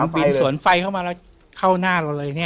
บินสวนไฟเข้ามาแล้วเข้าหน้าเราเลยเนี่ย